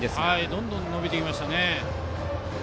どんどん伸びていきました。